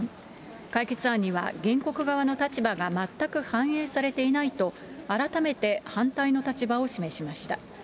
解決案には原告側の立場が全く反映されていないと、改めて反対の立場を示しました。